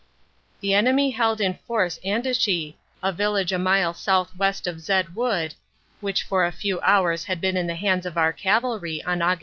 The enemy held in force Andechy, a village a mile south west of the Zed Wood (which for a few hours had been in the hands of our cavalry on Aug.